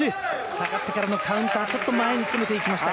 下がってからのカウンターちょっと前に詰めていきました。